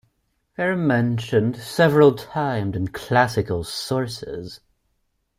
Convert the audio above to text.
They are mentioned several times in Classical sources.